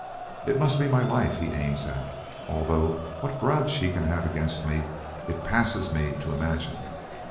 It must be my life he aims at, although what grudge he can have against me it passes me to imagine.